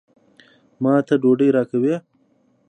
ما ته ډوډۍ راکوي.